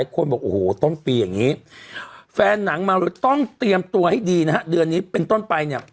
ข้างตัวให้ดีนะฮะเดือนนี้เป็นต้นไปเนี่ย